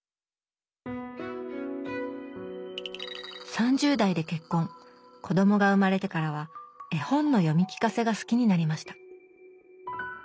３０代で結婚子どもが生まれてからは絵本の読み聞かせが好きになりました